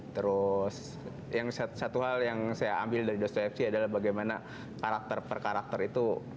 terus satu hal yang saya ambil dari dosto fc adalah bagaimana karakter per karakter itu